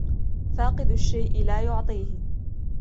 فاقد الشيء لا يعطيه